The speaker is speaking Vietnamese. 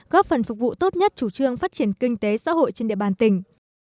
góp phần phục vụ tốt nhất chủ trương phát triển kinh tế xã hội trên địa bàn tỉnh